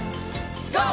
ＧＯ！